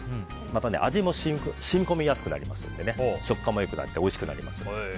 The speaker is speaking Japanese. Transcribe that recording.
あと味も染み込みやすくなって食感も良くなっておいしくなります。